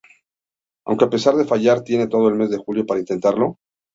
Aunque, a pesar de fallar, tiene todo el mes de julio para intentarlo.